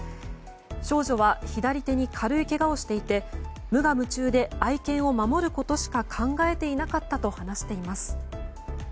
少女は左手に軽いけがをしていて無我夢中で愛犬を守ることしか考えていなかったと話しています。